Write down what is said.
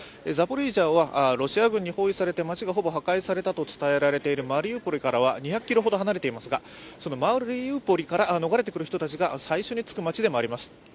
ザポリージャはロシア軍に包囲されて街がほぼ破壊されたと伝えられているマリウポリからは２００ｋｍほど離れていますがそのマリウポリから逃れてくる人たちが最初に着く街でもあります。